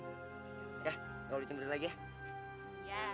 ya gak perlu dicemburu lagi ya